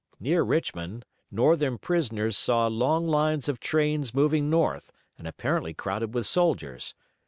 Near Richmond, Northern prisoners saw long lines of trains moving north and apparently crowded with soldiers.